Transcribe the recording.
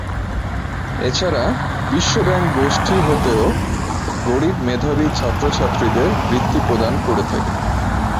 এছাড়া বিশ্ব ব্যাংক গোষ্ঠী হতেও গরীব মেধাবী ছাত্র-ছাত্রীদের বৃত্তি প্রদান করে থাকে।